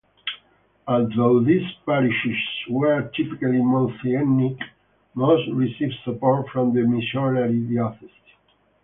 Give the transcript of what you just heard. Although these parishes were typically multi-ethnic, most received support from the missionary diocese.